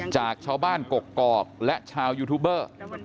จากชาวบ้านกกอกและชาวยูทูบเบอร์